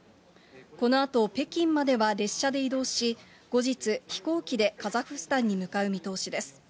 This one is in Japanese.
このあと北京までは列車で移動し、後日、飛行機でカザフスタンに向かう見通しです。